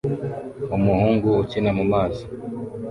Umuhungu ukina mumazi